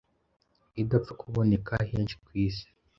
idapfa kuboneka henshi ku isi.